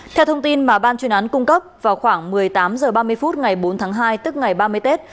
theo thông tin mà ban chuyên án cung cấp vào khoảng một mươi tám h ba mươi phút ngày bốn tháng hai tức ngày ba mươi tết